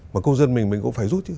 mà công dân mình mình cũng phải rút chứ